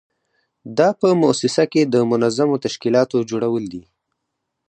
دا په موسسه کې د منظمو تشکیلاتو جوړول دي.